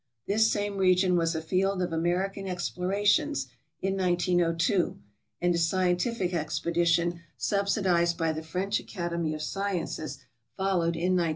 This same region was a field of American explorations in 1902, and a scientific expedition subsidized by the French Academy of Sciences followed in 1903.